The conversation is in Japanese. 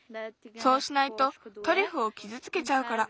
そうしないとトリュフをきずつけちゃうから。